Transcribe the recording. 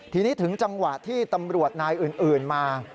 ทีนี้ถึงจังหวะที่ตำรวจนายอื่นมา